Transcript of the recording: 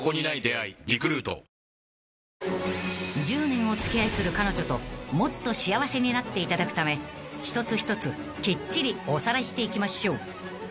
［１０年お付き合いする彼女ともっと幸せになっていただくため一つ一つきっちりおさらいしていきましょう］